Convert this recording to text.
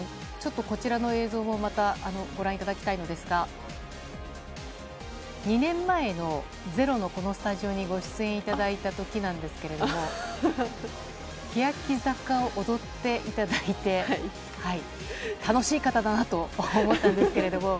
こちらの映像をまた、ご覧いただきたいんですが２年前の「ｚｅｒｏ」のこのスタジオにご出演いただいた時なんですけれども欅坂を踊っていただいて楽しい方だなと思ったんですけども。